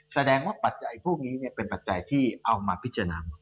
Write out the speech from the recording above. แสดงว่าปัจจัยพวกนี้เป็นปัจจัยที่เอามาพิจารณา